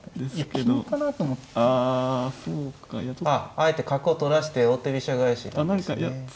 あえて角を取らして王手飛車返しってことですね。